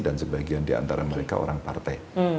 dan sebagian di antara mereka orang partai